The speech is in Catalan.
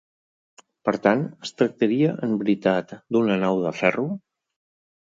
Per tant, es tractaria en veritat d'una nau de ferro?